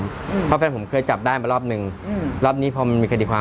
เพราะแฟนผมเคยจับได้มารอบหนึ่งอืมรอบนี้พอมันมีคดีความ